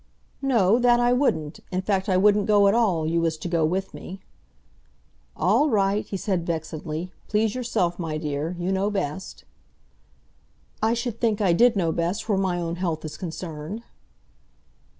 "No, that I wouldn't. In fact I wouldn't go at all you was to go with me." "All right," he said vexedly. "Please yourself, my dear; you know best." "I should think I did know best where my own health is concerned."